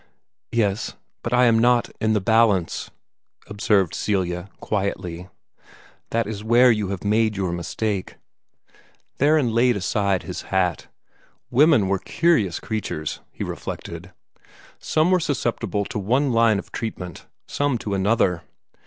"Yes but I am not in the balance," observed Celia, quietly. "That is where you have made your mistake." Theron laid aside his hat. Women were curious creatures, he reflected. Some were susceptible to one line of treatment, some to another.